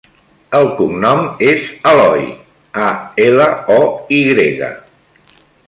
El cognom és Aloy: a, ela, o, i grega.